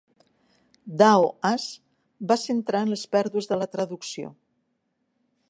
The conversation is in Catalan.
Dao As va centrar en les pèrdues de la traducció.